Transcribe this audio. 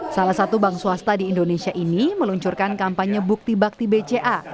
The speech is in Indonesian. salah satu bank swasta di indonesia ini meluncurkan kampanye bukti bakti bca